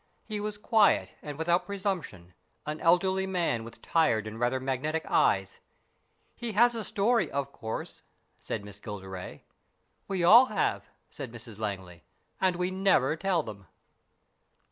He was quiet and without presumption, an elderly man with tired and rather magnetic eyes. " He has a story, of course," said Miss Gilderay. "We all have," said Mrs Langley; "and we never tell them."